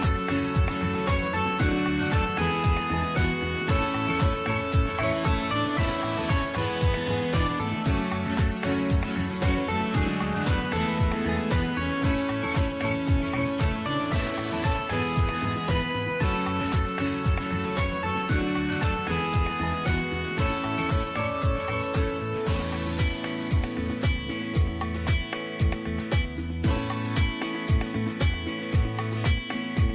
สวัสดีครับ